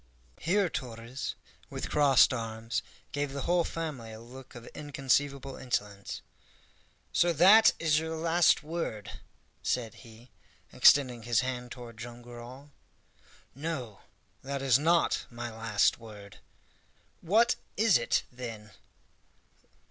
Here Torres, with crossed arms, gave the whole family a look of inconceivable insolence. "So that is you last word?" said he, extending his hand toward Joam Garral. "No, that is not my last word." "What is it, then?"